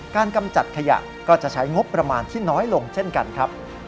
กำจัดขยะก็จะใช้งบประมาณที่น้อยลงเช่นกันครับ